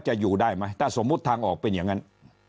อยู่ได้ไหมถ้าสมมุติทางออกเป็นอย่างนั้น